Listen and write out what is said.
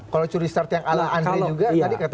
kalau curi star yang ala andre juga